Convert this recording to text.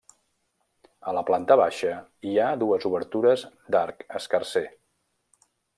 A la planta baixa hi ha dues obertures d'arc escarser.